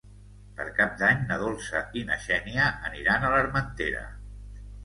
Per Cap d'Any na Dolça i na Xènia aniran a l'Armentera.